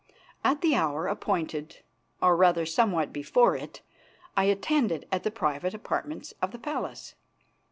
At the hour appointed, or, rather, somewhat before it, I attended at the private apartments of the palace.